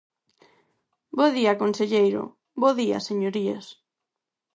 Bo día, conselleiro; bo día, señorías.